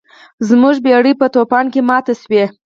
زموږ بیړۍ په طوفان کې ماته شوه.